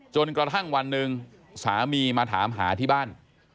จนกระทั่งวันหนึ่งสามีมาถามหาที่บ้าน